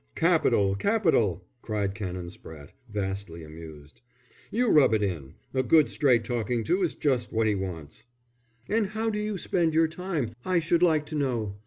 "Capital! Capital!" cried Canon Spratte, vastly amused. "You rub it in. A good straight talking to is just what he wants!" "And how do you spend your time, I should like to know.